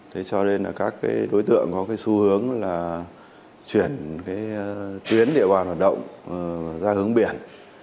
thế cho nên là các đối tượng có cái xu hướng là chuyển cái tuyến địa bàn hoạt động ra hướng biển